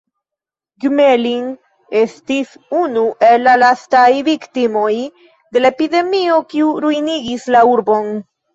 Gmelin estis unu el la lastaj viktimoj de la epidemio kiu ruinigis la urbon.